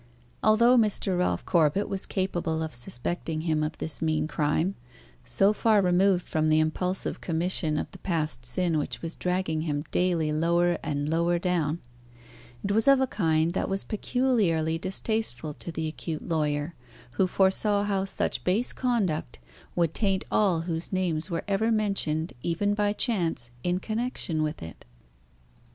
Although Mr. Ralph Corbet was capable of suspecting him of this mean crime (so far removed from the impulsive commission of the past sin which was dragging him daily lower and lower down), it was of a kind that was peculiarly distasteful to the acute lawyer, who foresaw how such base conduct would taint all whose names were ever mentioned, even by chance, in connection with it.